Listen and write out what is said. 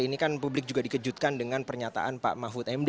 dan kan publik juga dikejutkan dengan pernyataan pak mahfud md